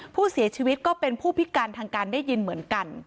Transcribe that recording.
ผู้เสียชีวิตก็เป็นผู้พิการทางการได้ยินเหมือนกัน